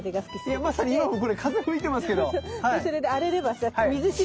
いやまさに今もこれ風吹いてますけど。